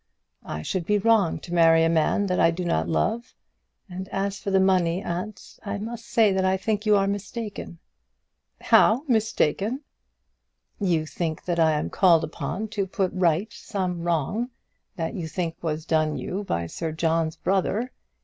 I should be wrong to marry a man that I do not love; and as for the money, aunt, I must say that I think you are mistaken." "How mistaken?" "You think that I am called upon to put right some wrong that you think was done you by Sir John's brother.